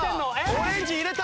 オレンジ入れた。